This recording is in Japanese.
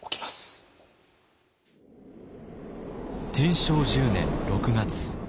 天正１０年６月。